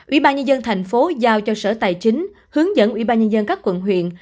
ủy ban nhân dân thành phố giao cho sở tài chính hướng dẫn ủy ban nhân dân các quận huyện